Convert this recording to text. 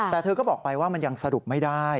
แต่เธอก็บอกไปว่ามันยังสรุปไม่ได้